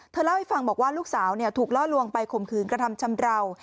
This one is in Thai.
เล่าให้ฟังบอกว่าลูกสาวถูกล่อลวงไปข่มขืนกระทำชำราว